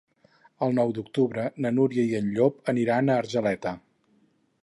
El nou d'octubre na Núria i en Llop aniran a Argeleta.